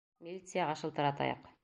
Милицияға шылтыратайыҡ!